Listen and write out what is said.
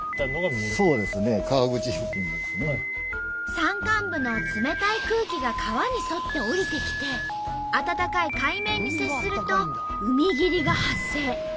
山間部の冷たい空気が川に沿って下りてきて暖かい海面に接すると海霧が発生。